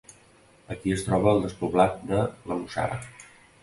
Aquí es troba el despoblat de la Mussara.